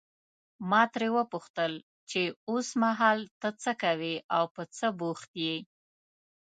ما ترې وپوښتل چې اوسمهال ته څه کوې او په څه بوخت یې.